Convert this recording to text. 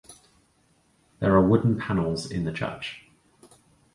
There are wooden panels in the church.